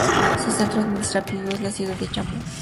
Su centro administrativo es la ciudad de Jammu.